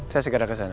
saya segera ke sana